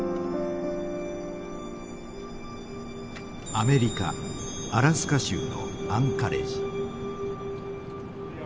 アメリカ・アラスカ州のアンカレジ。